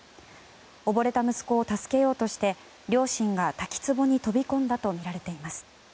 おぼれた息子を助けようとして両親が滝つぼに飛び込んだとみられています。